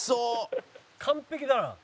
「完璧だな！」